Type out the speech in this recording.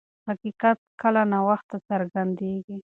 حقیقت کله ناوخته څرګندیږي.